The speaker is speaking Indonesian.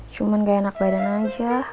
cuman nggak enak badan aja